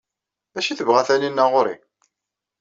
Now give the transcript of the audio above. D acu ay tebɣa Taninna ɣer-i?